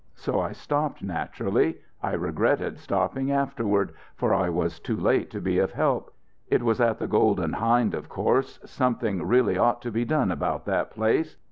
So I stopped, naturally. I regretted stopping, afterward, for I was too late to be of help. It was at the Golden Hind, of course. Something really ought to be done about that place.